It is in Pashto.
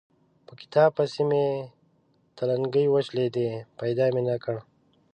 په کتاب پسې مې تلنګې وشلېدې؛ پيدا مې نه کړ.